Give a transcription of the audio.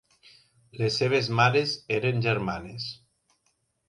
Les seves mares eren germanes.